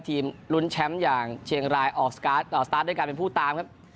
ทีมรุ้นแชมพ์อย่างเชียงรายออกการเอาด้วยกันเป็นผู้ตามครับ